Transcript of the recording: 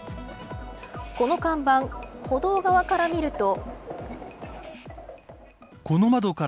この看板、歩道側から見ると。